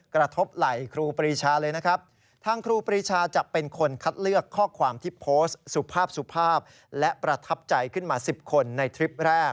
กระทบไหลครูปรีชาเลยนะครับ